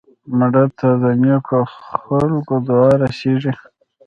مړه ته د نیکو خلکو دعا رسېږي